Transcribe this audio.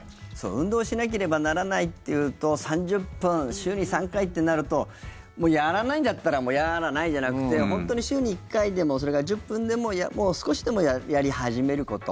運動しなければならないっていうと３０分、週に３回ってなるともうやらないんだったらもうやーらないじゃなくて本当に週に１回でもそれが１０分でも少しでもやり始めること。